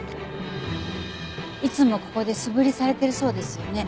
いつもここで素振りされてるそうですよね。